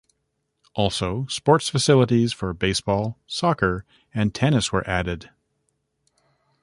Also, sports facilities for baseball, soccer, and tennis were added.